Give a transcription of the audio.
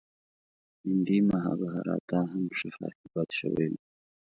هندي مهابهاراتا هم شفاهي پاتې شوی و.